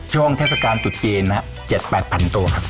ช่วงเทศกาลจุดจีน๗๘๐๐๐ตัวครับ